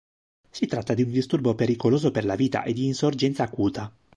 Si tratta di un disturbo pericoloso per la vita e di insorgenza acuta.